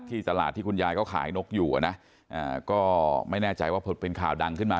ตลาดที่คุณยายเขาขายนกอยู่อ่ะนะก็ไม่แน่ใจว่าเป็นข่าวดังขึ้นมา